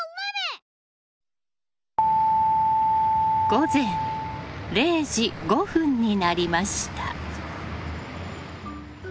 午前０時５分になりました。